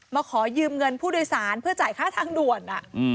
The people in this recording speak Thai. ขอยืมเงินผู้โดยสารเพื่อจ่ายค่าทางด่วน